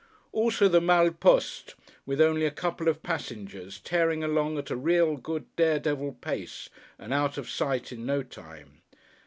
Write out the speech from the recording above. Also the Malle Poste, with only a couple of passengers, tearing along at a real good dare devil pace, and out of sight in no time.